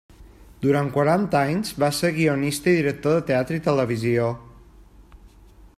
Durant quaranta anys va ser guionista i director de teatre i televisió.